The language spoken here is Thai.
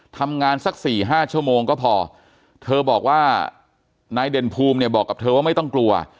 เธอบอกว่านายเด่นภูมิบอกกับเธอว่าไม่ต้องกลัว